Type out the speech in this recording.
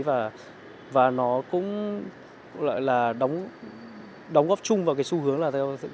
và nó cũng gọi là đóng góp chung vào cái xu hướng là theo